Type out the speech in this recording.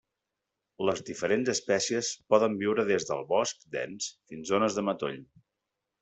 Les diferents espècies poden viure des del bosc dens fins zones de matoll.